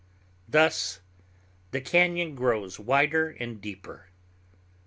Thus the cañon grows wider and deeper.